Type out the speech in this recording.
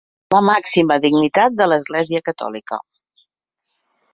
La màxima dignitat de l'Església catòlica.